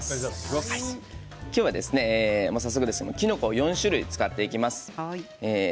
今日は早速ですがきのこを４種類使っていきます。